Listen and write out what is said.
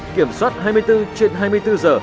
kiểm soát hai mươi bốn trên hai mươi bốn giờ